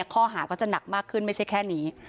ข้อหาก็จะหนักมากขึ้นไม่ใช่แค่นี้